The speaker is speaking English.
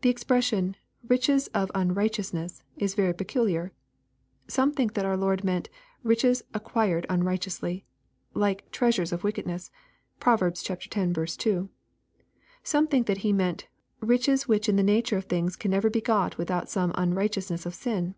The expression, " riches of unrighteousness," is very peculiar, Some think that our Lord meant " riches acquired unrighteously,* like " treasures of wickedness." (Prov. x. 2.) — Some think that He meant " riches which in the nature of things can never be got without some unrighteousness of sin."